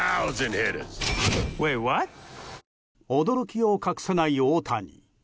驚きを隠せない大谷。